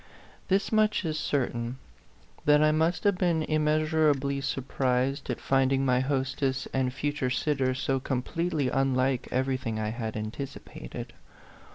This much is certain, that I must have been immeasurably surprised at finding my hostess and future sitter so completely un like everything I had anticipated.